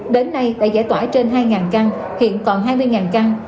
đến nay đã giải tỏa trên hai ngàn căn hiện còn hai mươi ngàn căn